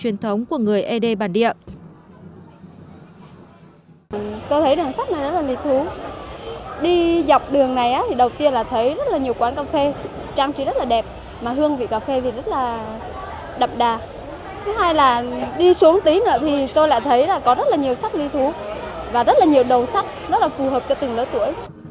đây là một bản sách truyền thống của người ấy đê bản địa